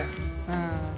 うん。